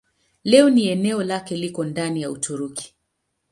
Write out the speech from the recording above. Leo hii eneo lake liko ndani ya Uturuki.